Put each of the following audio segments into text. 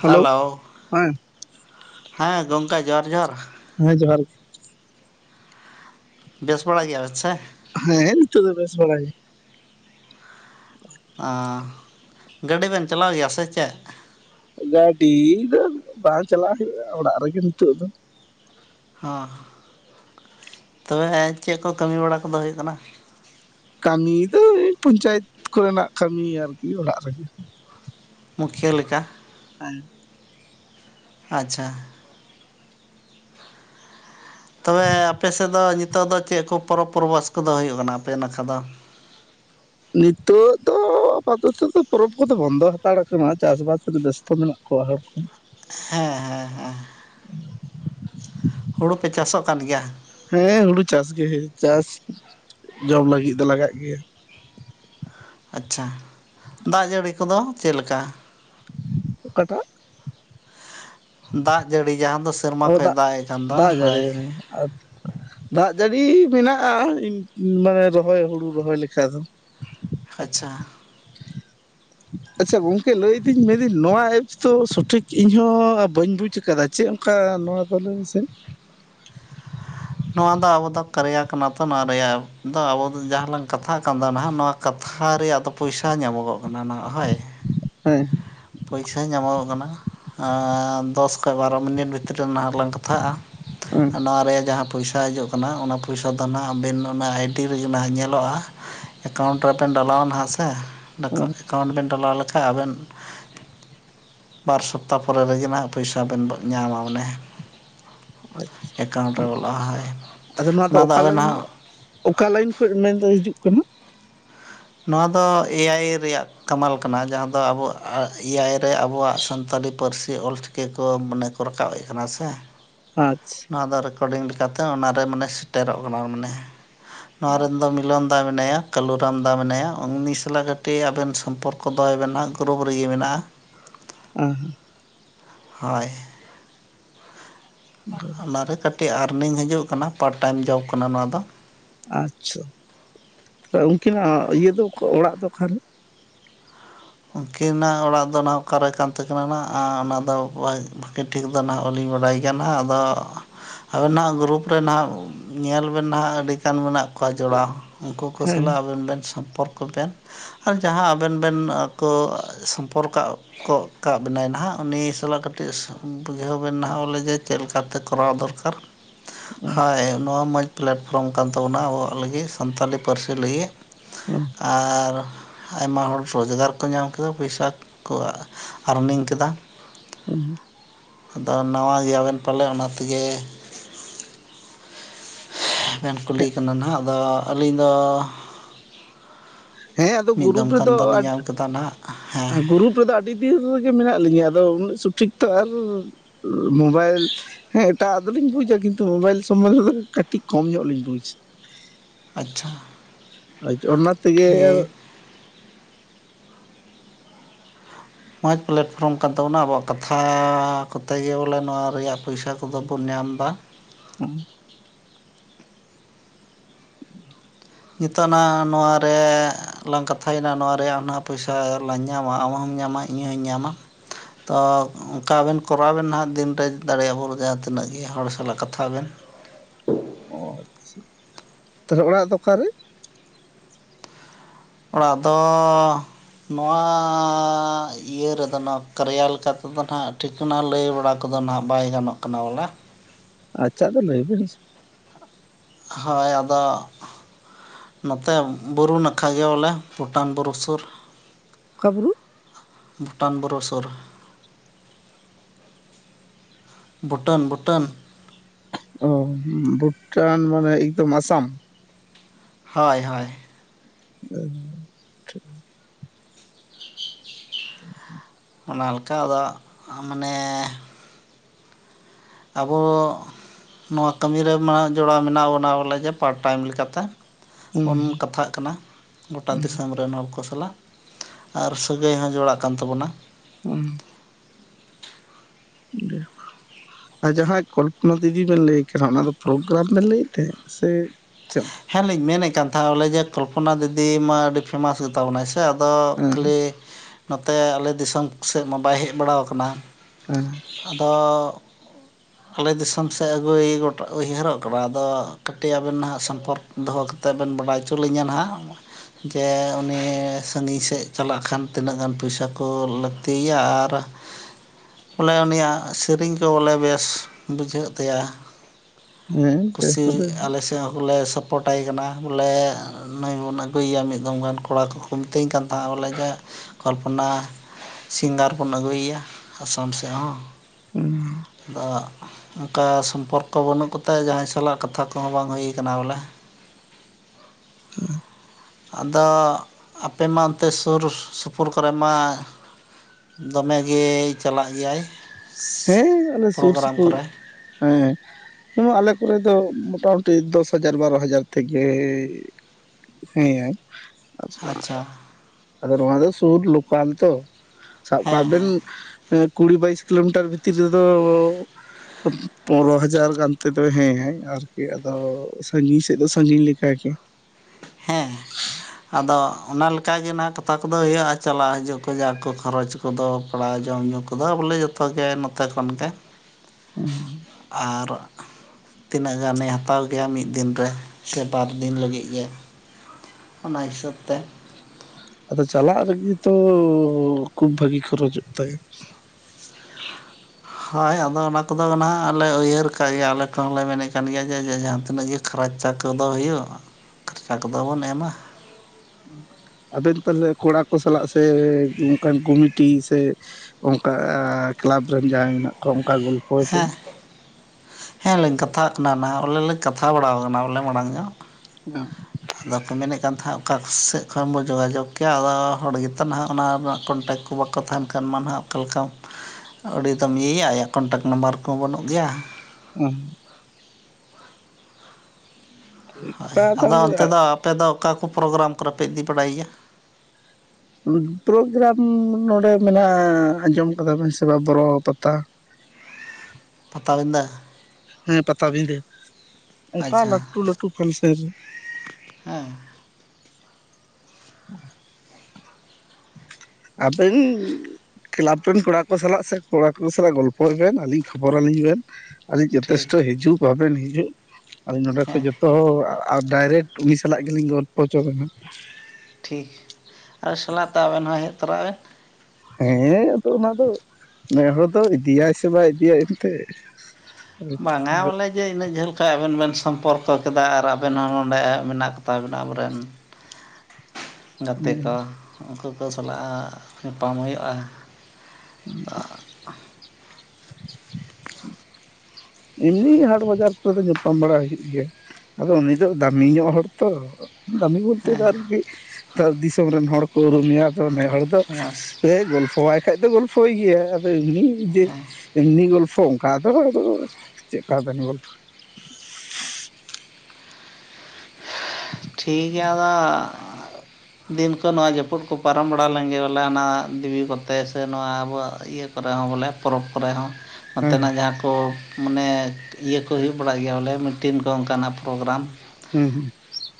ᱦᱟᱹᱞᱳ hello ᱦᱮᱸ ᱦᱮᱸ ᱜᱚᱝᱠᱮ ᱡᱚᱦᱟᱨ ᱡᱚᱦᱟᱨ᱾ ᱦᱮᱸ ᱡᱚᱦᱟᱨ ᱜᱮ᱾ ᱵᱮᱥ ᱵᱟᱲᱟ ᱜᱮᱭᱟ ᱵᱮᱱ ᱪᱷᱮ ᱦᱮᱸ ᱱᱤᱛᱚᱜ ᱫᱚ ᱵᱮᱥ ᱵᱟᱲᱟ ᱜᱮ᱾ ᱟᱸᱻ ᱜᱟᱹᱰᱤ ᱵᱮᱱ ᱪᱟᱞᱟᱣ ᱜᱮᱭᱟ ᱥᱮ ᱪᱮᱫ? ᱜᱟᱹᱰᱤ ᱫᱚ ᱵᱟᱝ ᱪᱟᱞᱟᱜ ᱦᱩᱭᱩᱜᱼᱟ ᱚᱲᱟᱜ ᱨᱮᱜᱮ ᱱᱤᱛᱚᱜ ᱫᱚ᱾ ᱦᱚᱸ, ᱛᱚᱵᱮ ᱦᱟᱸᱜ ᱪᱮᱫ ᱠᱚ ᱠᱟᱹᱢᱤ ᱵᱟᱲᱟ ᱠᱚᱫᱚ ᱦᱩᱭᱩᱜ ᱠᱟᱱᱟ? ᱠᱟᱹᱢᱤ ᱫᱚᱭ ᱯᱚᱱᱪᱟᱭᱮᱛ ᱠᱚᱨᱮᱱᱟᱜ ᱠᱟᱹᱢᱤ ᱟᱨᱠᱤ ᱚᱲᱟᱜ ᱨᱮᱜᱮ᱾ ᱢᱩᱠᱷᱤᱭᱟᱹ ᱞᱮᱠᱟ᱾ [unintelligible] ᱟᱪᱪᱷᱟ᱾ ᱛᱚᱵᱮ ᱟᱯᱮ ᱥᱮᱫ ᱫᱚ ᱱᱤᱛᱚᱜ ᱫᱚ ᱪᱮᱫ ᱠᱚ ᱯᱚᱨᱚᱵ ᱯᱚᱨᱚᱵᱟᱥ ᱠᱚ ᱫᱚ ᱦᱩᱭᱩᱜ ᱠᱟᱱᱟ ᱟᱯᱮ ᱱᱟᱠᱷᱟ ᱫᱚ? ᱱᱤᱛᱚᱜ ᱫᱚ ᱟᱯᱟᱛᱚᱛᱚ ᱫᱚ ᱯᱚᱨᱚᱵᱽ ᱠᱚᱫᱚ ᱵᱚᱱᱫᱚ ᱦᱟᱛᱟᱲ ᱟᱠᱟᱱᱟ ᱪᱟᱥᱵᱟᱥ ᱨᱮ ᱵᱮᱥᱼᱼ ᱛᱚ ᱢᱮᱱᱟᱜ ᱠᱚᱣᱟ ᱦᱚᱲ ᱠᱚ ᱦᱮᱸ ᱦᱮᱸ ᱦᱮᱸ᱾ ᱦᱳᱲᱳ ᱯᱮ ᱪᱟᱥᱚᱜ ᱠᱟᱱ ᱜᱮᱭᱟ? ᱦᱮᱸ ᱦᱳᱲᱳ ᱪᱟᱥ ᱜᱮ ᱦᱩᱭ ᱪᱟᱥ ᱡᱚᱢ ᱞᱟᱹᱜᱤᱫ ᱫᱚ ᱞᱟᱜᱟᱜ ᱜᱮᱭᱟ᱾ ᱟᱪᱪᱷᱟ, ᱫᱟᱜ ᱡᱟᱹᱲᱤ ᱠᱚᱫᱚ ᱪᱮᱫ ᱞᱮᱠᱟ? ᱚᱠᱟᱴᱟᱜ? ᱫᱟᱜ ᱡᱟᱹᱲᱤ ᱡᱟᱦᱟᱸ ᱫᱚ ᱥᱮᱨᱢᱟ ᱠᱷᱚᱡ ᱮ ᱫᱟᱜᱮᱜ ᱠᱟᱱ ᱫᱚ ᱦᱳᱭ᱾ ᱟᱹᱫ [unintelligible] ᱫᱟᱜ ᱡᱟᱹᱲᱤ ᱢᱮᱱᱟᱜᱼᱟ ᱤᱧ ᱢᱟᱱᱮ ᱨᱚᱦᱚᱭ ᱦᱳᱲᱳ ᱨᱚᱦᱚᱭ ᱞᱮᱠᱟ ᱫᱚ᱾ ᱟᱪᱪᱷᱟ᱾ ᱟᱪᱪᱷᱟ ᱜᱚᱝᱠᱮ ᱞᱟᱹᱭ ᱫᱤᱧ ᱢᱮᱱᱫᱤᱧ ᱱᱚᱣᱟ ᱮᱯᱥ ᱛᱚ ᱥᱚᱴᱷᱤᱠ ᱤᱧ ᱦᱚᱸ ᱵᱟᱹᱧ ᱵᱩᱡᱷ ᱟᱠᱟᱫᱟ ᱪᱮᱫᱼᱼ ᱞᱮᱠᱟ ᱱᱚᱣᱟ ᱫᱚ ᱞᱟᱹᱭ ᱢᱮᱥᱮ? ᱱᱚᱣᱟ ᱫᱚ ᱟᱵᱚ ᱫᱚ ᱠᱟᱨᱭᱟ ᱠᱟᱱᱟ ᱛᱚ ᱱᱚᱣᱟ ᱨᱮᱭᱟᱜ ᱮᱯ ᱫᱚ ᱟᱵᱚ ᱫᱚ ᱡᱟᱦᱟᱸ ᱞᱟᱝ ᱠᱟᱛᱷᱟ ᱠᱟᱱ ᱫᱚ ᱱᱷᱟᱜ ᱱᱚᱣᱟ ᱠᱟᱛᱷᱟ ᱨᱮᱭᱟᱜ ᱫᱚ ᱯᱚᱭᱥᱟ ᱧᱟᱢᱚᱜᱚᱜ ᱠᱟᱱᱟ ᱱᱷᱟᱜ ᱦᱳᱭ᱾ ᱦᱮᱸᱻ ᱯᱚᱭᱥᱟ ᱧᱟᱢᱚᱜᱚᱜ ᱠᱟᱱᱟ ᱟᱨ ᱫᱚᱥ ᱠᱷᱚᱡ ᱵᱟᱨᱚ ᱢᱤᱱᱤᱴ ᱵᱷᱤᱛᱨᱤ ᱚᱱᱟ ᱦᱚᱞᱟᱝ ᱠᱟᱛᱷᱟᱜᱼᱟ᱾ ᱦᱮᱸ ᱱᱚᱣᱟ ᱨᱮᱭᱟᱜ ᱡᱟᱦᱟᱸ ᱯᱚᱭᱥᱟ ᱦᱤᱡᱩᱜ ᱠᱟᱱᱟ ᱚᱱᱟ ᱯᱚᱭᱥᱟ ᱫᱚᱱ ᱦᱟᱸᱜ ᱟᱹᱵᱤᱱ ᱚᱱᱟ ᱟᱭᱰᱤ ᱨᱮᱜᱮ ᱱᱷᱟᱜ ᱧᱮᱞᱚᱜᱼᱟ᱾ ᱮᱠᱟᱣᱩᱱᱴ ᱨᱮᱵᱮᱱ ᱰᱟᱞᱟᱣᱟ ᱱᱷᱟᱜ ᱥᱮ ᱤᱱᱟᱹ ᱠᱷᱟᱱ ᱦᱮᱸ ᱮᱠᱟᱣᱩᱱᱴ ᱵᱮᱱ ᱰᱟᱞᱟᱣ ᱞᱮᱠᱷᱟᱡ ᱟᱵᱮᱱ ᱵᱟᱨ ᱥᱚᱯᱛᱟ ᱯᱚᱨᱮ ᱨᱮᱜᱮ ᱱᱟᱦᱟᱜ ᱯᱚᱭᱥᱟ ᱵᱮᱱ ᱧᱟᱢᱟ ᱚᱱᱮ᱾ ᱮᱠᱟᱣᱩᱱᱴ ᱨᱮ ᱵᱚᱞᱚᱜᱼᱟ᱾ ᱦᱳᱭ ᱟᱫᱚ ᱱᱚᱣᱟ ᱚᱱᱟ ᱫᱚ ᱚᱠᱟ ᱟᱞᱮ ᱞᱟᱭᱤᱱ ᱱᱟᱦᱟᱜ ᱚᱠᱟ ᱞᱟᱭᱤᱱ ᱠᱷᱚᱡ ᱢᱮᱱ ᱫᱚ ᱦᱤᱡᱩᱜ ᱠᱟᱱᱟ? ᱱᱚᱣᱟ ᱫᱚ ᱮᱭᱟᱭ ᱨᱮᱭᱟᱜ ᱠᱟᱢᱟᱞ ᱠᱟᱱᱟ᱾ ᱡᱟᱦᱟᱸ ᱫᱚ ᱟᱵᱚ ᱮᱭᱟᱭ ᱨᱮ ᱟᱵᱚᱣᱟᱜ ᱥᱟᱱᱛᱟᱞᱤ ᱯᱟᱹᱨ ᱥᱤ ᱚᱞᱪᱤᱠᱤ ᱠᱚ ᱢᱟᱱᱮ ᱠᱚ ᱨᱟᱠᱟᱵᱮᱜ ᱠᱟᱱᱟ ᱥᱮ᱾ ᱟᱪᱪᱷ ᱱᱚᱣᱟ ᱫᱚ ᱨᱮᱠᱚᱨᱰᱤᱝ ᱞᱮᱠᱟᱛᱮ ᱚᱱᱟᱨᱮ ᱢᱟᱱᱮ ᱥᱮᱴᱮᱨᱚᱜ ᱠᱟᱱᱟ, ᱢᱟᱱᱮ ᱱᱚᱣᱟ ᱨᱮᱱ ᱫᱚ ᱢᱤᱞᱚᱱ ᱫᱟ ᱢᱮᱱᱟᱭᱟ ᱠᱟᱹᱞᱩ ᱨᱟᱢ ᱫᱟ ᱢᱮᱱᱟᱭᱟ, ᱩᱱᱤ ᱥᱟᱞᱟᱜ ᱠᱟᱹᱴᱤᱡ ᱟᱵᱮᱱ ᱥᱚᱢᱯᱚᱨᱠᱚ ᱫᱚᱦᱚᱭ ᱵᱮᱱ ᱦᱟᱸᱜ ᱜᱨᱩᱯ ᱨᱮ ᱤᱭᱟᱹ ᱢᱮᱱᱟᱜᱼᱟ᱾ ᱩᱸ ᱦᱩᱸ᱾ ᱦᱳᱭ᱾ ᱚᱱᱟᱨᱮ ᱠᱟᱹᱴᱤᱡ ᱟᱨᱱᱤᱝ ᱦᱟᱹᱡᱩᱜ ᱠᱟᱱᱟ᱾ ᱯᱟᱨᱴ ᱴᱟᱭᱤᱢ ᱡᱚᱵ ᱠᱟᱱᱟ ᱱᱚᱣᱟ ᱫᱚ᱾ ᱟᱪᱪᱷᱟ, ᱛᱟᱦᱚᱞᱮ ᱩᱱᱠᱤᱱᱟᱜ ᱤᱭᱟᱹ ᱫᱚ ᱚᱠᱟ ᱚᱲᱟᱜ ᱫᱚ ᱚᱠᱟᱨᱮ? ᱩᱱᱠᱤᱱᱟᱜ ᱚᱲᱟᱜ ᱫᱚᱱ ᱱᱟᱦᱟᱜ ᱚᱠᱟᱨᱮ ᱠᱟᱱ ᱛᱟᱹᱠᱤᱱᱟ ᱱᱟᱦᱟᱜ ᱚᱱᱟ ᱫᱚ ᱵᱟᱧ ᱵᱷᱟᱜᱤ ᱴᱷᱤᱠ ᱫᱚ ᱱᱟᱦᱟᱜ ᱵᱟᱹᱞᱤᱧ ᱵᱟᱰᱟᱭ ᱜᱮᱭᱟ ᱱᱟᱦᱟᱜ ᱟᱫᱚ ᱟᱵᱮᱱ ᱱᱟᱦᱟᱜ ᱜᱨᱩᱯ ᱨᱮ ᱱᱟᱦᱟᱜ ᱧᱮᱞ ᱵᱮᱱ ᱱᱟᱦᱟᱜ ᱟᱹᱰᱤ ᱜᱟᱱ ᱢᱮᱱᱟᱜ ᱠᱚᱣᱟ ᱡᱚᱲᱟᱣ᱾ ᱩᱱᱠᱩ ᱠᱚ ᱦᱮᱸ ᱥᱟᱞᱟᱜ ᱟᱵᱮᱱ ᱵᱮᱱ ᱥᱚᱢᱯᱚᱨᱠᱚ ᱵᱮᱱ, ᱟᱨ ᱡᱟᱦᱟᱸ ᱟᱵᱮᱱ ᱵᱮᱱ ᱠᱚ ᱥᱚᱢᱯᱚᱨᱠᱟᱣ ᱠᱚᱜ ᱠᱟᱜ ᱵᱮᱱᱟᱭ ᱱᱟᱦᱟᱜ ᱩᱱᱤ ᱥᱟᱞᱟᱜ ᱠᱟᱹᱴᱤᱡ ᱵᱩᱡᱷᱟᱹᱣ ᱵᱮᱱ ᱱᱟᱦᱟᱜ ᱵᱚᱞᱮ ᱡᱮ ᱪᱮᱫ ᱞᱮᱠᱟᱛᱮ ᱠᱚᱨᱟᱣ ᱫᱚᱨᱠᱟᱨ᱾ ᱦᱳᱭ ᱱᱚᱣᱟ ᱢᱚᱡᱽ ᱯᱞᱟᱴᱯᱷᱨᱚᱢ ᱠᱟᱱ ᱛᱟᱵᱚᱱᱟ ᱟᱵᱚᱣᱟᱜ ᱞᱟᱹᱜᱤᱜ ᱥᱟᱱᱛᱟᱞᱤ ᱯᱟᱹᱨᱥᱤ ᱞᱟᱹᱜᱤᱜ᱾ ᱟᱨ ᱟᱭᱢᱟ ᱦᱚᱲ ᱨᱳᱡᱽ ᱜᱟᱨ ᱠᱚ ᱧᱟᱢ ᱠᱮᱫᱟ, ᱯᱚᱭᱥᱟ ᱠᱚ ᱟᱨᱱᱤᱝ ᱠᱮᱫᱟ᱾ ᱩᱸ ᱦᱩᱸ ᱟᱫᱚ ᱱᱟᱣᱟ ᱜᱮᱭᱟ ᱵᱮᱱ ᱯᱟᱞᱮ ᱚᱱᱟ ᱛᱮᱜᱮ ᱵᱮᱱ ᱠᱩᱞᱤ ᱠᱟᱱᱟ ᱱᱟᱦᱟᱜ, ᱟᱫᱚ ᱟᱹᱞᱤᱧ ᱫᱚ ᱦᱮᱸ ᱟᱫᱚ ᱢᱤᱫ ᱜᱩᱨᱩᱯ ᱫᱚᱢ ᱜᱟᱱ ᱨᱮᱫᱚ ᱫᱚᱞᱤᱧ ᱟᱹᱰ, ᱧᱟᱢ ᱠᱮᱫᱟ ᱱᱟᱦᱟᱜ ᱦᱮᱸ ᱜᱩᱨᱩᱯ ᱨᱮᱫᱚ ᱟᱹᱰᱤ ᱰᱷᱤᱨ ᱨᱮᱜᱮ ᱢᱮᱱᱟᱜ ᱞᱤᱧᱟᱹ ᱟᱫᱚ ᱩᱱᱟᱹᱜ ᱥᱚᱴᱷᱤᱠ ᱛᱚ ᱟᱨ ᱢᱳᱵᱟᱭᱮᱞ ᱦᱮᱸ ᱮᱴᱟᱜ ᱫᱚᱞᱤᱧ ᱵᱩᱡᱟ ᱠᱤᱱᱛᱩ ᱢᱳᱵᱟᱭᱤᱞ ᱥᱚᱸᱵᱟᱭᱤᱞ ᱨᱮ ᱫᱚ ᱠᱟᱹᱴᱤᱡ ᱠᱚᱢ ᱧᱚᱜ ᱞᱤᱧ ᱵᱩᱡᱟ᱾ ᱟᱪᱪᱷᱟ᱾ [unintelligible] ᱚᱱᱟ ᱛᱮᱜᱮ, ᱴᱷᱤᱠ ᱢᱚᱡᱽ ᱯᱞᱮᱴᱯᱷᱨᱚᱢ ᱠᱟᱱ ᱛᱟᱵᱚᱱᱟ, ᱟᱵᱚᱣᱟᱜ ᱠᱟᱛᱷᱟ ᱠᱚᱛᱮ ᱜᱮ ᱵᱚᱞᱮ ᱱᱚᱣᱟ ᱨᱮᱭᱟᱜ ᱯᱚᱭᱥᱟ ᱠᱚᱫᱚ ᱵᱚᱱ ᱧᱟᱢᱫᱟ᱾ ᱦᱩᱸ ᱱᱤᱛᱚᱜ ᱱᱟᱦᱟᱜ ᱱᱚᱣᱟ ᱨᱮ ᱞᱟᱝ ᱠᱟᱛᱷᱟᱭᱮᱱᱟ ᱱᱚᱣᱟ ᱨᱮᱭᱟᱜ ᱱᱟᱦᱟᱜ ᱯᱚᱭᱥᱟ ᱞᱟᱝ ᱧᱟᱢᱟ, ᱟᱢ ᱦᱚᱢ ᱧᱟᱢᱟ ᱤᱧ ᱦᱚᱸᱧ ᱧᱟᱢᱟ᱾ ᱛᱚ ᱚᱝᱠᱟ ᱟᱵᱮᱱ ᱠᱚᱨᱟᱣ ᱵᱮᱱ ᱱᱟᱦᱟᱜ ᱫᱤᱱ ᱨᱮ ᱫᱟᱲᱮᱭᱟᱜ ᱵᱷᱩᱨ ᱡᱟᱦᱟᱸ ᱛᱤᱱᱟᱹᱜ ᱜᱮ ᱦᱚᱲ ᱥᱟᱞᱟᱜ ᱠᱟᱛᱷᱟᱜ ᱵᱮᱱ᱾ ᱚ ᱟᱪᱪᱷᱟ, ᱛᱟᱦᱚᱞᱮ ᱚᱲᱟᱜ ᱫᱚ ᱚᱠᱟᱨᱮ? ᱚᱲᱟᱜ ᱫᱚ ᱱᱚᱣᱟ ᱤᱭᱟᱹ ᱨᱮᱫᱚ ᱱᱚᱣᱟ ᱠᱟᱨᱭᱟ ᱞᱮᱠᱟ ᱛᱮᱫᱚ ᱱᱟᱦᱟᱜ ᱴᱷᱤᱠ ᱚᱱᱟ ᱞᱟᱹᱭ ᱵᱟᱲᱟ ᱠᱚᱫᱚ ᱱᱟᱦᱟᱜ ᱵᱟᱭ ᱜᱟᱱᱚᱜ ᱠᱟᱱᱟ ᱵᱚᱞᱮ᱾ ᱟᱪᱪᱷᱟ, ᱟᱫᱚ ᱞᱟᱹᱭ ᱵᱮᱱ ᱥᱮ᱾ ᱦᱳᱭ ᱟᱫᱚ ᱱᱚᱛᱮ ᱵᱩᱨᱩ ᱱᱟᱠᱷᱟ ᱜᱮ ᱵᱚᱞᱮ, ᱯᱷᱩᱴᱟᱱ ᱵᱩᱨᱩ ᱥᱩᱨ ᱚᱠᱟ ᱵᱩᱨᱩ? ᱵᱷᱩᱴᱟᱱ ᱵᱩᱨᱩ ᱥᱩᱨ᱾ ᱵᱷᱩᱴᱟᱱ ᱵᱷᱩᱴᱟᱱ ᱚ ᱵᱷᱩᱴᱟᱱ ᱢᱟᱱᱮ ᱮᱠᱫᱚᱢ ᱟᱥᱟᱢ᱾ ᱦᱳᱭ ᱦᱳᱭ ᱚ ᱟᱪᱪᱷᱟ᱾ [unintelligible] ᱚᱱᱟ ᱞᱮᱠᱟ ᱟᱫᱚ ᱢᱟᱱᱮ ᱟᱵᱚ ᱱᱚᱣᱟ ᱠᱟᱹᱢᱤ ᱨᱮ ᱢᱟ ᱡᱚᱲᱟᱣ ᱢᱮᱱᱟᱜ ᱵᱚᱱᱟ ᱵᱚᱞᱮ ᱡᱮ ᱯᱟᱨᱴ ᱴᱟᱭᱤᱢ ᱞᱮᱠᱟᱛᱮ ᱵᱚᱱ ᱦᱩᱸ ᱠᱟᱛᱷᱟᱜ ᱠᱟᱱᱟ ᱜᱚᱴᱟ ᱦᱩᱸ ᱫᱤᱥᱚᱢ ᱨᱮᱱ ᱦᱚᱲ ᱠᱚ ᱥᱟᱞᱟᱜ ᱟᱨ ᱥᱟᱹᱜᱟᱹᱭ ᱦᱚᱸ ᱡᱚᱲᱟᱜ ᱠᱟᱱ ᱛᱟᱵᱚᱱᱟ᱾ ᱩᱸ ᱟᱨ ᱡᱟᱦᱟᱸ ᱠᱚᱞᱯᱚᱱᱟ ᱫᱤᱫᱤ ᱵᱮᱱ ᱞᱟᱹᱭ ᱠᱟᱱᱟ ᱚᱱᱟ ᱫᱚ ᱯᱨᱳᱜᱨᱟᱢ ᱵᱮᱱ ᱞᱟᱹᱭᱮᱫ ᱛᱟᱦᱮᱸᱫ ᱥᱮ ᱪᱮᱫ ᱦᱮᱸ ᱞᱤᱧ ᱢᱮᱱᱮᱫ ᱠᱟᱱ ᱛᱟᱦᱮᱫ ᱵᱚᱞᱮ ᱡᱮ ᱠᱚᱞᱯᱚᱱᱟ ᱫᱤᱫᱤ ᱢᱟ ᱟᱹᱰᱤ ᱯᱷᱮᱢᱟᱥ ᱜᱮᱛᱟ ᱵᱚᱱᱟᱭ ᱥᱮ ᱥᱮ ᱟᱫᱚ ᱦᱮᱸ ᱠᱷᱟᱹᱞᱤ ᱱᱚᱛᱮ ᱟᱞᱮ ᱫᱤᱥᱚᱢ ᱥᱮᱜ ᱢᱟ ᱵᱟᱭ ᱦᱮᱡ ᱵᱟᱲᱟᱣ ᱠᱟᱱᱟ ᱦᱩᱸ ᱟᱫᱚ ᱟᱞᱮ ᱫᱤᱥᱚᱢ ᱥᱮᱜ ᱟᱹᱜᱩᱭᱤ ᱜᱚᱴᱟ ᱩᱭᱦᱟᱹᱨᱚᱜ ᱠᱟᱱᱟ ᱟᱫᱚ ᱠᱟᱹᱴᱤᱡ ᱟᱵᱮᱱ ᱱᱟᱦᱟᱜ ᱥᱚᱢᱯᱚᱨᱠ ᱫᱚᱦᱚ ᱠᱟᱛᱮᱜ ᱵᱮᱱ ᱵᱟᱰᱟᱭ ᱩᱪᱩ ᱞᱤᱧᱟ ᱱᱟᱦᱟᱸᱜ ᱡᱮ ᱩᱱᱤ ᱥᱟᱺᱜᱤᱧ ᱥᱮᱜ ᱪᱟᱞᱟᱜ ᱠᱷᱟᱱ ᱛᱤᱱᱟᱹᱜ ᱜᱟᱱ ᱯᱚᱭᱥᱟ ᱠᱚ ᱞᱟᱹᱠᱛᱤᱭᱟ ᱟᱨ ᱵᱚᱞᱮ ᱩᱱᱤᱭᱟᱜ ᱥᱤᱨᱤᱧ ᱠᱚ ᱵᱚᱞᱮ ᱵᱮᱥ ᱵᱩᱡᱷᱟᱹᱜ ᱛᱟᱭᱟ ᱦᱮᱸ ᱵᱮᱥ ᱠᱩᱥᱤ ᱫᱚ ᱵᱮᱥ᱾ ᱟᱞᱮ ᱥᱮᱜ ᱦᱚᱞᱮ ᱥᱚᱯ ᱯᱚᱴᱟᱭ ᱠᱟᱱᱟ ᱵᱚᱞᱮ ᱱᱩᱭ ᱵᱩᱱ ᱟᱹᱜᱩᱭᱭᱟ ᱢᱤᱫ ᱫᱚᱢ ᱜᱟᱱ ᱠᱚᱲᱟ ᱠᱚᱠᱚ ᱢᱤᱛᱟᱹᱧ ᱠᱟᱱ ᱛᱟᱦᱮᱸᱜ ᱵᱚᱞᱮ ᱡᱟ ᱠᱚᱞᱯᱚᱱᱟ ᱥᱤᱝᱜᱟᱨ ᱵᱩᱱ ᱟᱹᱜᱩᱭᱟ ᱟᱥᱟᱢ ᱥᱮᱜ ᱦᱚᱸ ᱩᱸ ᱟᱫᱚ ᱚᱝᱠᱟ ᱥᱚᱢᱯᱚᱨᱠᱚ ᱵᱟᱹᱱᱩᱜ ᱠᱚᱛᱟᱭᱟ ᱡᱟᱦᱟᱸᱭ ᱥᱟᱞᱟᱜ ᱠᱟᱛᱷᱟ ᱠᱚᱦᱚᱸ ᱵᱟᱝ ᱦᱩᱭ ᱠᱟᱱᱟ ᱵᱚᱞᱮ? [unintelligible] ᱟᱫᱚ ᱟᱯᱮ ᱢᱟ ᱚᱱᱛᱮ ᱥᱩᱨ ᱥᱩᱯᱩᱨ ᱠᱚᱨᱮ ᱢᱟ ᱫᱚᱢᱮ ᱜᱮᱭ ᱪᱟᱞᱟᱜ ᱜᱮᱭᱟᱭ᱾ ᱦᱮᱸ ᱟᱞᱮ ᱥᱩᱨ ᱯᱨᱳᱜᱨᱟᱢ ᱥᱩᱯᱩᱨ ᱠᱚᱨᱮ ᱦᱮᱸ ᱱᱚᱣᱟ ᱟᱞᱮ ᱠᱚᱨᱮ ᱫᱚ ᱢᱳᱴᱟᱢᱩᱴᱤ ᱫᱚᱥ ᱦᱟᱡᱟᱨ ᱵᱟᱨᱚ ᱦᱟᱡᱟᱨ ᱛᱮᱜᱮ ᱦᱮᱸᱭᱟᱭ ᱟᱪᱪᱷᱟ ᱟᱫᱚ ᱱᱚᱣᱟ ᱫᱚ ᱥᱩᱨ ᱞᱳᱠᱟᱞ ᱛᱚ᱾ ᱥᱟᱵ ᱠᱟᱜ ᱦᱮᱸ ᱵᱮᱱ ᱦᱮᱸ ᱠᱩᱲᱤ ᱵᱟᱭᱤᱥ ᱠᱤᱞᱳᱢᱤᱴᱟᱨ ᱵᱷᱤᱛᱤᱨ ᱨᱮᱫᱚ ᱯᱚᱱᱨᱚ ᱦᱟᱡᱟᱨ ᱜᱟᱱ ᱛᱮᱫᱚᱭ ᱦᱮᱸᱭᱟᱭ ᱟᱨᱠᱤ ᱟᱫᱚ ᱥᱟᱺᱜᱤᱧ ᱥᱮᱫ ᱫᱚ ᱥᱟᱺᱜᱤᱧ ᱞᱮᱠᱟ ᱜᱮ᱾ ᱦᱮᱸ ᱟᱫᱚ ᱚᱱᱟ ᱞᱮᱠᱟ ᱜᱮ ᱱᱟᱜ ᱠᱟᱛᱷᱟ ᱠᱚᱫᱚ ᱦᱩᱭᱩᱜᱼᱟ ᱪᱟᱞᱟᱣ ᱦᱤᱡᱩᱜ ᱠᱚ ᱡᱟ ᱠᱚ ᱠᱷᱚᱨᱚᱪ ᱠᱚ ᱫᱚ ᱯᱟᱲᱟᱣ ᱡᱚᱢ ᱧᱩ ᱠᱚᱫᱚ ᱵᱚᱞᱮ ᱡᱚᱛᱚ ᱜᱮ ᱱᱚᱛᱮ ᱠᱷᱚᱱ ᱜᱮ᱾ ᱦᱩ ᱟᱨᱻ ᱛᱤᱱᱟᱹᱜ ᱜᱟᱱᱮ ᱦᱟᱛᱟᱣ ᱜᱮᱭᱟ ᱢᱤᱫ ᱫᱤᱱ ᱨᱮ ᱥᱮ ᱵᱟᱨ ᱫᱤᱱ ᱞᱟᱹᱜᱤᱫ ᱜᱮ? ᱚᱱᱟ ᱦᱤᱥᱟᱹᱵᱽ ᱛᱮ᱾ ᱟᱫᱚ ᱪᱟᱞᱟᱜ ᱨᱮᱜᱮ ᱛᱚ ᱠᱷᱩᱵ ᱵᱷᱟᱹᱜᱤ ᱠᱷᱚᱨᱚᱪᱚᱜ ᱛᱟᱭᱟ᱾ ᱦᱳᱭ ᱟᱫᱚ ᱚᱱᱟ ᱠᱚᱫᱚ ᱱᱟᱦᱟᱜ ᱞᱮ ᱩᱭᱦᱟᱹᱨ ᱟᱠᱟᱫ ᱜᱮᱭᱟ ᱟᱞᱮ ᱠᱚᱦᱚᱸᱞᱮ ᱢᱮᱱᱮᱫ ᱠᱟᱱ ᱜᱮᱭᱟ ᱡᱮ ᱡᱮ ᱡᱟᱦᱟᱸ ᱛᱤᱱᱟᱹᱜ ᱜᱮ ᱠᱷᱚᱨᱪᱟ ᱠᱚᱫᱚ ᱦᱩᱭᱩᱜ ᱠᱷᱚᱨᱪᱟ ᱠᱚᱫᱚ ᱵᱚᱱ ᱮᱢᱟ᱾ ᱟᱵᱮᱱ ᱛᱟᱦᱞᱮ ᱠᱚᱲᱟ ᱠᱚ ᱥᱟᱞᱟᱜ ᱥᱮ ᱚᱱᱠᱟᱱ ᱠᱚᱢᱤᱴᱤ ᱥᱮ ᱚᱝᱠᱟ ᱠᱞᱟᱵᱽ ᱨᱮᱱ ᱡᱟᱦᱟᱸᱭ ᱢᱮᱱᱟᱜ ᱠᱚᱣᱟ ᱚᱝᱠᱟ ᱜᱚᱞ ᱦᱮᱸ ᱦᱮᱸ ᱞᱤᱧ ᱠᱟᱛᱷᱟᱜ ᱠᱟᱱᱟ ᱱᱟᱦᱟᱜ ᱵᱚᱞᱮ ᱞᱮ ᱠᱟᱛᱷᱟ ᱵᱟᱲᱟ ᱠᱟᱱᱟ ᱵᱚᱞᱮ ᱢᱟᱲᱟᱝ ᱧᱚᱜ ᱚ ᱟᱫᱚ ᱠᱚ ᱢᱮᱱᱮᱫ ᱠᱟᱱ ᱛᱟᱦᱮᱫ ᱚᱠᱟ ᱥᱮᱫ ᱠᱷᱚᱱ ᱵᱚᱱ ᱡᱳᱜᱟᱡᱳᱜᱽ ᱠᱮᱭᱟ ᱟᱫᱚ ᱦᱚᱲ ᱜᱮᱛᱚ ᱱᱟᱦᱟᱜ ᱚᱱᱟ ᱨᱮᱱᱟᱜ ᱠᱚᱱᱴᱟᱠ ᱠᱩ ᱵᱟᱠᱚ ᱛᱟᱦᱮᱱ ᱠᱷᱟᱱ ᱢᱟ ᱱᱟᱦᱟᱜ ᱚᱠᱟ ᱞᱮᱠᱟ ᱟᱹᱰᱤ ᱛᱚᱢ ᱤᱭᱟᱹᱭᱟ ᱟᱭᱟᱜ ᱠᱚᱱᱴᱟᱠᱴ ᱱᱟᱢᱵᱟᱨ ᱠᱚᱦᱚᱸ ᱵᱟᱹᱱᱩᱜ ᱜᱮᱭᱟ᱾ ᱦ ᱦᱳᱭ ᱟᱫᱚ ᱛᱟᱦᱚᱞᱮ ᱚᱱᱛᱮ ᱫᱚ ᱟᱯᱮᱫᱚ ᱚᱠᱟ ᱠᱚ ᱯᱨᱳᱜᱨᱟᱢ ᱠᱚᱨᱮ ᱯᱮ ᱤᱫᱤ ᱵᱟᱲᱟᱭ ᱭᱟ? ᱯᱨᱳᱜᱨᱟᱢ ᱱᱚᱸᱰᱮ ᱢᱮᱱᱟᱜᱼᱟ ᱟᱸᱡᱚᱢ ᱠᱟᱫᱟ ᱵᱮᱱ ᱥᱮᱵᱟ ᱵᱚᱨᱚ ᱯᱟᱛᱟ᱾ ᱯᱟᱛᱟᱵᱤᱸᱫᱟᱹ᱾ ᱦᱮᱸ ᱯᱟᱛᱟᱵᱤᱸᱫᱟᱹ ᱚᱱᱠᱟ ᱟᱪᱪᱷᱟ ᱞᱟᱹᱴᱩ ᱞᱟᱹᱴᱩ ᱯᱷᱟᱱᱥᱮᱱ ᱨᱮ᱾ ᱦᱮᱸ [unintelligible] ᱟᱵᱮᱱ ᱠᱞᱟᱵᱽ ᱨᱮᱱ ᱠᱚᱲᱟ ᱠᱚ ᱥᱟᱞᱟᱜ ᱥᱮ ᱠᱚᱲᱟ ᱠᱚ ᱥᱟᱞᱟᱜ ᱜᱚᱞᱯᱷᱚᱭ ᱵᱮᱱ ᱟᱹᱞᱤᱧ ᱠᱷᱚᱵᱚᱨ ᱟᱹᱞᱤᱧ ᱵᱮᱱ᱾ ᱟᱹᱞᱤᱧ ᱴᱷᱤᱠ ᱡᱚᱛᱷᱮᱥᱴᱚ ᱦᱤᱡᱩᱜ ᱵᱟᱵᱮᱱ ᱦᱤᱡᱩᱜ ᱟᱹᱞᱤᱧ ᱱᱚᱸᱰᱮ ᱠᱷᱚᱡ ᱦᱮᱸ ᱡᱚᱛᱚ ᱟᱨ ᱰᱟᱭᱨᱮᱠᱴ ᱩᱱᱤ ᱥᱟᱞᱟᱜ ᱜᱮᱞᱤᱧ ᱜᱚᱞᱯᱚ ᱚᱪᱚ ᱵᱮᱱᱟ᱾ ᱴᱷᱤᱠ ᱟᱨ ᱥᱟᱞᱟᱜ ᱛᱮ ᱟᱵᱮᱱ ᱦᱚᱸ ᱦᱮᱡ ᱛᱚᱨᱟᱜ ᱵᱮᱱ᱾ ᱦᱮᱸ ᱟᱫᱚ ᱚᱱᱟ ᱫᱚ ᱱᱮᱦᱚᱲ ᱫᱚ ᱤᱫᱤᱭᱟᱭ ᱥᱮ ᱵᱟᱭ ᱤᱫᱤᱭᱟᱭ ᱮᱱᱛᱮᱫ᱾ ᱵᱟᱝᱟ ᱵᱚᱞᱮ ᱡᱮ ᱤᱱᱟᱹᱜ ᱡᱷᱟᱹᱞ ᱠᱷᱚᱡ ᱟᱵᱮᱱ ᱵᱮᱱ ᱥᱚᱢᱯᱚᱨᱠᱚ ᱠᱮᱫᱟ ᱟᱨ ᱟᱵᱮᱱ ᱦᱚᱸ ᱱᱚᱸᱰᱮ ᱢᱮᱱᱟᱜ ᱠᱚ ᱛᱟᱵᱮᱱᱟ ᱟᱵᱚ ᱨᱮᱱ [unintelligible] ᱜᱟᱛᱮ ᱠᱚ ᱩᱱᱠᱩ ᱠᱚ ᱥᱟᱞᱟᱜ ᱧᱟᱯᱟᱢ ᱦᱩᱭᱩᱜᱼᱟ᱾ ᱟᱜ ᱮᱢᱱᱤ ᱜᱮ ᱦᱟᱴ ᱵᱟᱡᱟᱨ ᱠᱚᱨᱮ ᱫᱚ ᱧᱟᱯᱟᱢ ᱵᱟᱲᱟ ᱦᱩᱭᱩᱜ ᱜᱮᱭᱟ᱾ ᱟᱫᱚ ᱩᱱᱤ ᱫᱚ ᱫᱟᱹᱢᱤ ᱧᱚᱜ ᱦᱚᱲ ᱛᱚ᱾ ᱫᱟᱹᱢᱤ ᱵᱚᱞᱛᱮ ᱫᱚ ᱟᱨᱠᱤ ᱫᱤᱥᱚᱢ ᱨᱮᱱ ᱦᱚᱲ ᱠᱚ ᱮᱭᱟ ᱟᱫᱚ ᱱᱮᱦᱚᱲ ᱫᱚ ᱢᱚᱡᱽ ᱮᱭ ᱜᱚᱞᱯᱷᱚᱣᱟᱭ ᱠᱷᱟᱡ ᱫᱚ ᱜᱚᱞᱯᱷᱚᱭ ᱜᱮᱭᱟ ᱟᱫᱚ ᱮᱢᱱᱤ ᱡᱮ ᱮᱢᱱᱤ ᱜᱚᱞᱯᱷᱚ ᱚᱱᱠᱟ ᱫᱚ ᱟᱫᱚ ᱪᱮᱜᱠᱟ ᱵᱮᱱ ᱜᱚᱞᱯᱷᱚᱭ ᱴᱷᱤᱠ ᱜᱮᱭᱟ ᱟᱫᱚ ᱫᱤᱱ ᱠᱚ ᱱᱚᱣᱟ ᱡᱟᱹᱯᱩᱫ ᱠᱚ ᱯᱟᱨᱚᱢ ᱵᱟᱲᱟ ᱞᱮᱱ ᱜᱮ ᱵᱚᱞᱮ ᱚᱱᱟ ᱫᱤᱵᱤ ᱠᱚ ᱛᱮ ᱥᱮ ᱱᱚᱣᱟ ᱟᱵᱚᱣᱟᱜ ᱤᱭᱟᱹ ᱠᱚ ᱨᱮ ᱦᱚᱸ ᱵᱚᱞᱮ ᱯᱚᱨᱚᱵᱽ ᱠᱚᱨᱮ ᱦᱚᱸ ᱦᱮᱸ ᱱᱚᱛᱮᱱᱟᱜ ᱡᱟᱦᱟᱸ ᱠᱚ ᱢᱟᱱᱮ ᱤᱭᱟᱹ ᱠᱚ ᱦᱩᱭᱩᱜ ᱵᱟᱲᱟᱜ ᱜᱮᱭᱟ ᱵᱚᱞᱮ ᱢᱤᱴᱤᱱ ᱠᱚ ᱚᱱᱠᱟᱱᱟᱜ ᱯᱨᱳᱜᱽᱨᱟᱢ᱾ ᱦᱩᱸ ᱦᱩᱸ᱾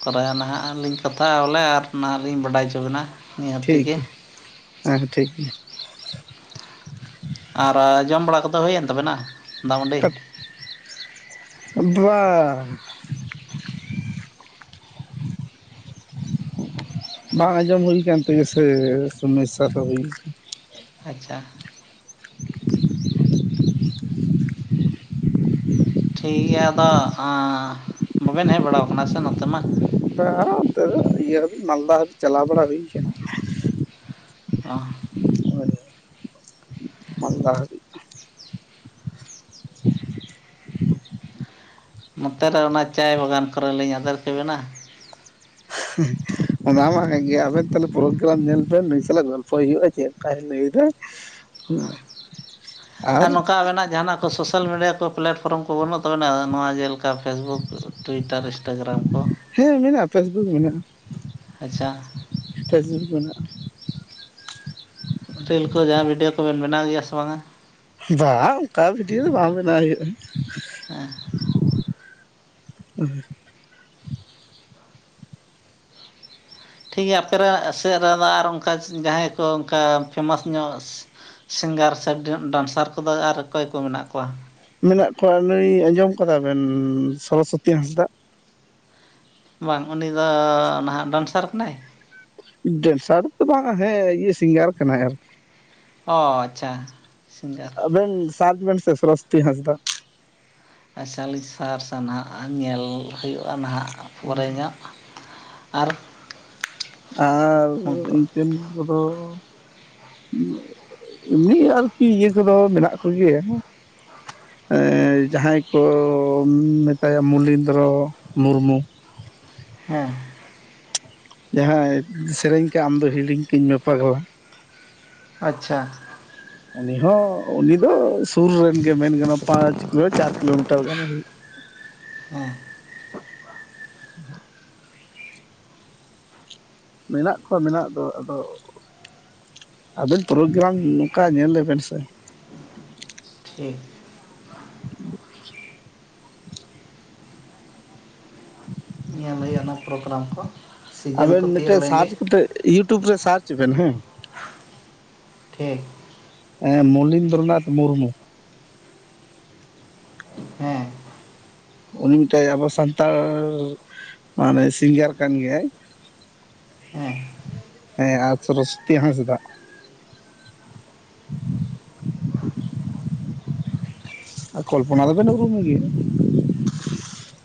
ᱛᱚᱵᱮᱭᱟ ᱱᱟᱦᱟᱜ ᱞᱤᱧ ᱠᱟᱛᱷᱟᱜᱼᱟ ᱵᱚᱞᱮ ᱟᱨ ᱱᱟᱦᱟᱜ ᱞᱤᱧ ᱵᱟᱰᱟᱭ ᱚᱪᱚ ᱵᱤᱱᱟ᱾ ᱴᱷᱤᱠ ᱜᱮᱭᱟ, ᱦᱮᱸ-ᱦᱮᱸ ᱴᱷᱤᱠ ᱜᱮᱭᱟ᱾ ᱟᱨᱟ ᱡᱚᱢ ᱵᱟᱲᱟ ᱠᱚᱫᱚ ᱦᱩᱭᱮᱱ ᱛᱟᱵᱮᱱᱟ? ᱫᱟᱜ ᱢᱟᱹᱰᱤ [unintelligible] ᱵᱟ ᱵᱟᱝ ᱟᱸᱡᱚᱢ ᱦᱩᱭ ᱟᱠᱟᱱ ᱛᱮᱜᱮ ᱥᱮ ᱥᱚᱢᱟᱹᱥᱟ ᱫᱚ ᱦᱩᱭ ᱟᱠᱟᱱᱟ ᱟᱪᱪᱷᱟ ᱴᱷᱤᱠ ᱜᱮᱭᱟ ᱟᱫᱚ ᱟᱸ ᱵᱟᱵᱮᱱ ᱦᱮᱜ ᱵᱟᱲᱟ ᱟᱠᱟᱱᱟ ᱥᱮ ᱱᱚᱛᱮ ᱢᱟ᱾ ᱵᱟᱝ ᱟᱱᱛᱮ ᱫᱚ ᱤᱭᱟᱹ ᱦᱟᱹᱵᱤᱡ ᱢᱟᱞᱫᱟ ᱦᱟᱹᱵᱤᱡ ᱪᱟᱞᱟᱣ ᱵᱟᱲᱟ ᱦᱩᱭ ᱟᱠᱟᱱᱟ᱾ ᱚᱦ [unintelligible] ᱢᱟᱞᱫᱟ ᱦᱟᱵᱤᱡ ᱪᱮᱫ ᱪᱤᱠᱟᱹᱭᱮᱱᱟ ᱱᱚᱛᱮ ᱨᱮ ᱚᱱᱟ ᱪᱟᱭ ᱵᱟᱜᱟᱱ ᱠᱚᱨᱮ ᱞᱤᱧ ᱟᱫᱮᱨ ᱠᱮᱵᱮᱱᱟ᱾ ᱚᱱᱟ ᱢᱟ ᱦᱮᱸ ᱜᱮ, ᱟᱵᱮᱱ ᱛᱟᱦᱚᱞᱮ ᱯᱚᱨᱚᱜᱽᱨᱟᱢ ᱧᱮᱞ ᱵᱮᱱ ᱱᱩᱭ ᱥᱟᱞᱟᱜ ᱜᱚᱞᱯᱷᱚᱭ ᱦᱩᱭᱩᱜᱼᱟ, ᱪᱮᱫ ᱞᱮᱠᱟᱭ ᱞᱟᱹᱭ ᱮᱫᱟ᱾ ᱟᱨ ᱱᱚᱠᱟ ᱟᱵᱮᱱᱟᱜ ᱡᱟᱦᱟᱱᱟᱜ ᱠᱚ ᱥᱳᱥᱟᱞ ᱢᱤᱰᱤᱭᱟ ᱠᱚ ᱯᱮᱞᱮᱴᱯᱷᱚᱨᱚᱢ ᱠᱚ ᱵᱟᱹᱱᱩᱜ ᱛᱟᱵᱚᱱᱟ ᱱᱚᱣᱟ ᱡᱮᱞᱮᱠᱟ ᱯᱷᱮᱥᱵᱩᱠ, ᱴᱩᱭᱴᱟᱨ, ᱤᱱᱥᱴᱟᱜᱨᱟᱢ ᱠᱚ? ᱦᱮᱸ ᱢᱮᱱᱟᱜᱼᱟ, ᱯᱷᱮᱥᱵᱩᱠ ᱢᱮᱱᱟᱜᱼᱟ᱾ ᱟᱪᱪᱷᱟ᱾ ᱯᱷᱮᱥᱵᱩᱠ ᱢᱮᱱᱟᱜᱼᱟ᱾ ᱨᱤᱞ ᱠᱚ ᱡᱟᱦᱟᱸ ᱵᱷᱤᱰᱭᱳ ᱠᱚᱵᱮᱱ ᱵᱮᱱᱟᱣ ᱜᱮᱭᱟ ᱥᱮ ᱵᱟᱝ-ᱟ? ᱵᱟᱝ, ᱚᱱᱠᱟ ᱵᱷᱤᱰᱭᱳ ᱫᱚ ᱵᱟᱝ ᱵᱮᱱᱟᱣ ᱦᱩᱭᱩᱜᱼᱟ᱾ [unintelligible] ᱴᱷᱤᱠ ᱜᱮᱭᱟ ᱟᱯᱮ [unintelligible] ᱥᱮᱫ ᱨᱮᱱ ᱟᱨ ᱚᱱᱠᱟ ᱡᱟᱦᱟᱸᱭ ᱠᱚ ᱚᱱᱠᱟ ᱯᱷᱮᱢᱟᱥ ᱧᱚᱜ ᱥᱤᱝᱜᱟᱨ ᱥᱮ ᱰᱟᱱᱥᱟᱨ ᱠᱚᱫᱚ ᱟᱨ ᱚᱠᱚᱭ ᱠᱚ ᱢᱮᱱᱟᱜ ᱠᱚᱣᱟ? ᱢᱮᱱᱟᱜ ᱠᱚᱣᱟ ᱱᱩᱭ ᱟᱸᱡᱚᱢ ᱟᱠᱟᱫᱟ ᱵᱮᱱ ᱥᱚᱨᱚᱥᱚᱛᱤ ᱦᱟᱸᱥᱫᱟᱜ? ᱵᱟᱝ, ᱩᱱᱤ ᱫᱚ ᱱᱟᱦᱟᱜ ᱰᱟᱱᱥᱟᱨ ᱠᱟᱱᱟᱭ? ᱰᱮᱱᱥᱟᱨ ᱫᱚ ᱵᱟᱝ, ᱦᱮᱸ ᱤᱭᱟᱹ ᱥᱤᱝᱜᱟᱨ ᱠᱟᱱᱟᱭ ᱟᱨᱠᱤ᱾ ᱚ, ᱟᱪᱷᱟ᱾ ᱟᱵᱮᱱ ᱥᱟᱨᱪ ᱵᱮᱱᱥᱮ ᱥᱚᱨᱚᱥᱚᱛᱤ ᱦᱟᱸᱥᱫᱟ᱾ ᱟᱪᱷᱟ ᱞᱤᱧ ᱥᱟᱨᱥᱟ ᱱᱟᱦᱟᱸᱜ ᱟᱨ ᱧᱮᱞ ᱦᱩᱭᱩᱜᱼᱟ ᱱᱟᱦᱟᱸᱜ ᱯᱚᱨᱮ ᱧᱚᱜ᱾ ᱟᱨ ᱟᱨ ᱩᱱᱠᱩ ᱤᱧᱴᱮᱱ ᱠᱚᱫᱚ ᱮᱢᱱᱤ ᱟᱨᱠᱤ ᱤᱭᱟᱹ ᱠᱚᱫᱚ ᱢᱮᱱᱟᱜ ᱠᱚᱜᱮᱭᱟ᱾ ᱡᱟᱦᱟᱸᱭ ᱠᱚ ᱢᱮᱛᱟᱭᱟ ᱢᱩᱞᱤᱱᱫᱽᱨᱚ ᱢᱩᱨᱢᱩ᱾ ᱦᱮᱸ᱾ ᱡᱟᱦᱟᱸᱭ ᱥᱮᱨᱮᱧ ᱠᱟᱜ ᱟᱢᱫᱚ ᱦᱤᱲᱤᱧ ᱠᱟᱹᱧ ᱢᱮ ᱯᱟᱜᱽᱞᱟ᱾ ᱟᱪᱪᱷᱟ᱾ ᱩᱱᱤ ᱦᱚᱸ ᱩᱱᱤ ᱫᱚ ᱥᱩᱨ ᱨᱮᱱ ᱜᱮ ᱢᱮᱱ ᱜᱟᱱᱚᱜᱼᱟ᱾ ᱯᱟᱸᱪ ᱠᱤᱞᱳ ᱪᱟᱨ ᱠᱤᱞᱳᱢᱤᱴᱟᱨ ᱜᱟᱱᱮ ᱦᱩᱭᱩᱜ ᱠᱟᱱᱟ᱾ ᱦᱮᱸ᱾ [inaudible] ᱢᱮᱱᱟᱜ ᱠᱚᱣᱟ ᱢᱮᱱᱟᱜ ᱫᱚ ᱟᱫᱚ ᱟᱵᱮᱱ ᱯᱨᱳᱜᱨᱟᱢ ᱱᱚᱠᱟ ᱧᱮᱞ ᱞᱮᱵᱮᱱ ᱥᱮ᱾ ᱴᱷᱤᱠ᱾ [inaudible] ᱧᱮᱞ ᱦᱩᱭᱩᱜᱼᱟ ᱚᱱᱟ ᱯᱨᱳᱜᱨᱟᱢ ᱠᱚ᱾ ᱥᱤᱡᱮᱱ ᱟᱵᱮᱱ ᱠᱚ ᱛᱤᱭᱳᱜ ᱢᱤᱫᱴᱮᱡ ᱞᱮᱱᱜᱮ ᱥᱟᱨᱪ ᱠᱟᱛᱮ ᱤᱭᱩᱴᱩᱵᱽ ᱨᱮ ᱥᱟᱨᱪ ᱵᱮᱱ ᱦᱮᱸ ᱴᱷᱤᱠ ᱮ ᱢᱚᱞᱤᱱᱫᱨᱚᱱᱟᱛᱷ ᱢᱩᱨᱢᱩ ᱦᱮᱸ ᱩᱱᱤ ᱢᱤᱫᱴᱮᱡ ᱟᱵᱚ ᱥᱟᱱᱛᱟᱲ ᱢᱟᱱᱮ ᱥᱤᱝᱜᱟᱨ ᱠᱟᱱ ᱜᱮᱭᱟᱭ ᱦᱮᱸ ᱦᱮᱸ ᱟᱨ ᱥᱚᱨᱚᱥᱚᱛᱤ ᱦᱟᱸᱥᱫᱟᱜ ᱟᱨ ᱠᱚᱞᱯᱚᱱᱟ ᱫᱚ ᱵᱮᱱ ᱨᱩᱢᱼᱮ ᱜᱮᱭᱟ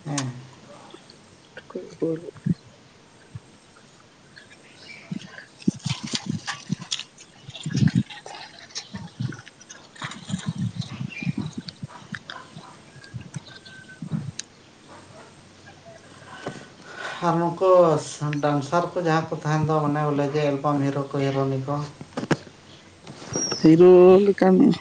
ᱦᱮᱸ [unintelligible] ᱠᱚ [unintelligible] ᱟᱨ ᱱᱩᱠᱩ ᱰᱟᱱᱥᱟᱨ ᱠᱚ ᱡᱟᱦᱟᱸ ᱠᱚ ᱛᱟᱦᱮᱱ ᱫᱚ ᱚᱱᱮ ᱵᱚᱞᱮ ᱡᱮ ᱮᱞᱵᱟᱢ ᱦᱤᱨᱳ ᱠᱚ ᱦᱤᱨᱳᱭᱤᱱ ᱠᱚ ᱦᱤᱨᱳ ᱞᱮᱠᱟᱱ ᱤᱡ